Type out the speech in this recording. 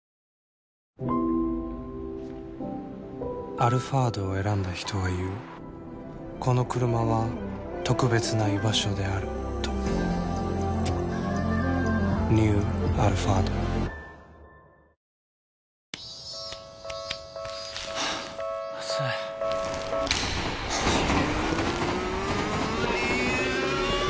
「アルファード」を選んだ人は言うこのクルマは特別な居場所であるとニュー「アルファード」プシューッ！